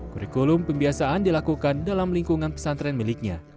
kurikulum pembiasaan dilakukan dalam lingkungan pesantren miliknya